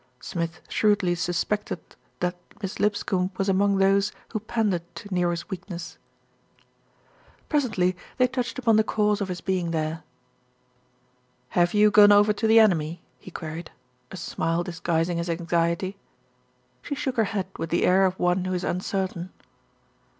Smith shrewdly suspected that Miss Lip scombe was among those who pandered to Nero's weakness. 136 THE RETURN OF ALFRED Presently they touched upon the cause of his being there. "Have you gone over to the enemy?" he queried, a smile disguising his anxiety. She shook her head with the air of one who is un certain.